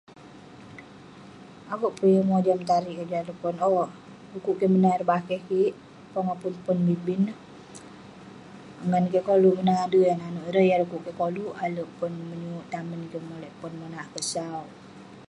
Akouk peh yeng mojam tarik kik juk alek pon...owk...du'kuk menat ireh bakeh kik pongah pun pon bi bin neh..ngan kik koluk menat ade' yah nanouk ireh..yah du'kuk kik koluk alek pon..menyuk tamen kik molek pon monak akouk sau..